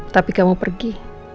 tapi kamu pergi